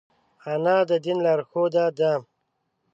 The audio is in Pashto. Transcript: انا د دین لارښوده ده